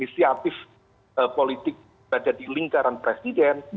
misi aktif politik pada di lingkaran presiden